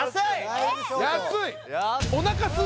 安い！